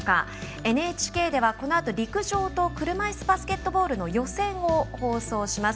ＮＨＫでは、このあと陸上と車いすバスケットボールの予選を放送します。